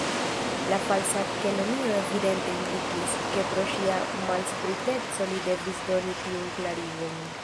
La Falsa Kelonio evidente indignis, ke pro ŝia malspriteco li devis doni tiun klarigon.